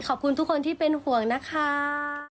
ขอบคุณทุกคนที่เป็นห่วงนะคะ